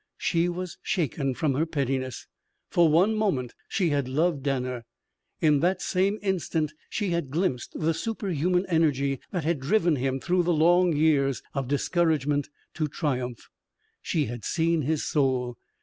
She was shaken from her pettiness. For one moment she had loved Danner. In that same instant she had glimpsed the superhuman energy that had driven him through the long years of discouragement to triumph. She had seen his soul.